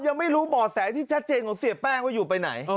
ยังไม่รู้บ่อแสที่ชัดเจนของเสียแป้งว่าอยู่ไปไหน